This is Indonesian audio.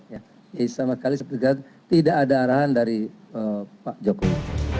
jadi saya sama sekali sepikirkan tidak ada arahan dari pak jokowi